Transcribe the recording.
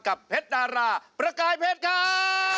เพชรดาราประกายเพชรครับ